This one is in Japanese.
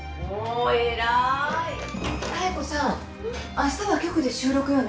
あしたは局で収録よね？